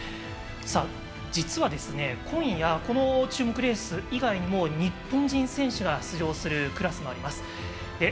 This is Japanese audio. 実は、今夜この注目レース以外にも日本人選手が出場するクラスもあります。